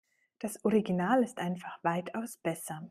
Das Original ist einfach weitaus besser.